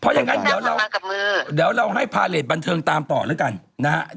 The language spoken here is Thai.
เพราะอย่างนั้นเดี๋ยวเราให้พาเลสบันเทิงตามต่อแล้วกันนะฮะ